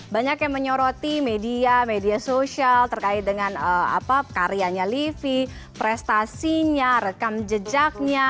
banyak yang menyoroti media media sosial terkait dengan karyanya livi prestasinya rekam jejaknya